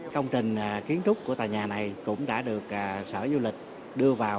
công trình kiến trúc của tòa nhà này cũng đã được sở du lịch đưa vào